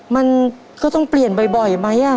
มันก็ต้องเปลี่ยนบ่อยไหม